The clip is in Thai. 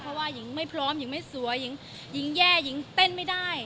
เพราะว่าหญิงไม่พร้อมหญิงไม่สวยหญิงหญิงแย่หญิงเต้นไม่ได้